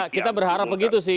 kita berharap begitu sih